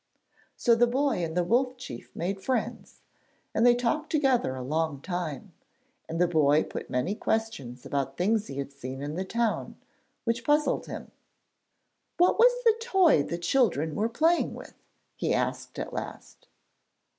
So the boy and the Wolf Chief made friends, and they talked together a long time, and the boy put many questions about things he had seen in the town, which puzzled him. 'What was the toy the children were playing with?' he asked at last.